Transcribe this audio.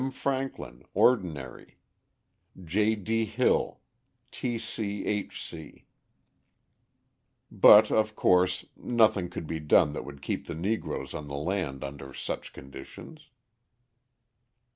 FRANKLIN, Ordinary J. D. HILL, T. C. H. C. But, of course, nothing could be done that would keep the Negroes on the land under such conditions.